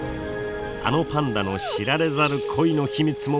あのパンダの知られざる恋の秘密もご紹介！